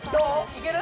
いける？